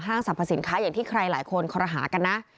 สรรพสินค้าอย่างที่ใครหลายคนคอรหากันนะ